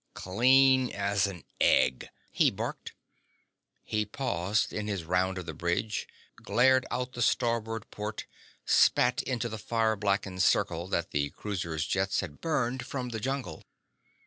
"Clean as an egg!" he barked. He paused in his round of the bridge, glared out the starboard port, spat into the fire blackened circle that the cruiser's jets had burned from the jungle.